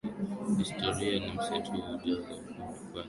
Historia ya msitu wa Jozani imekwenda nyuma ya miaka ya elfu moja mia tisa